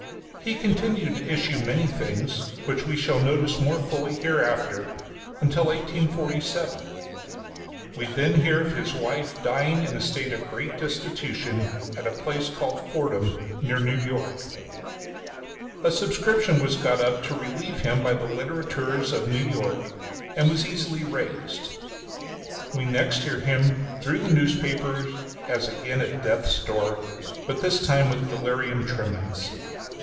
He continued to issue many things — which we shall notice more fully hereafter, until 1847. We then hear of his wife dying in a state of great destitution at a place called Fordham near New York A subscription was gotten up to relieve him by the literateurs of New York, and was easily raised. We next hear of him through the newspapers as again at death's door — but this time with delirium tremens.